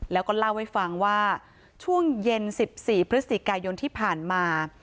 แล้วก็เล่าให้ฟังว่าช่วงเย็น๑๔พฤศจิกายนที่ผ่านมา